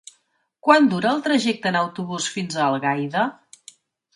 Quant dura el trajecte en autobús fins a Algaida?